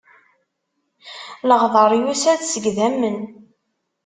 Leɣdeṛ yusa-d seg dammen.